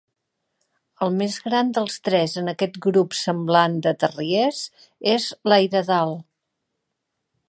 El més gran dels tres en aquest grup semblant de Terriers és l'Airedale.